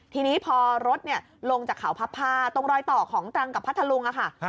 ทีนี้พอรถลงจากเขาพับผ้าตรงรอยต่อของตรังกับพัทธลุงค่ะ